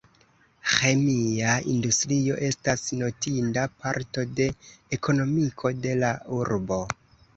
Ĥemia industrio estas notinda parto de ekonomiko de la urbo.